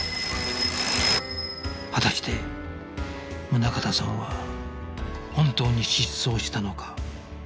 果たして宗形さんは本当に失踪したのか